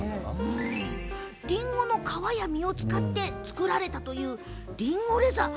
りんごの皮や実を使って作られたという、りんごレザー。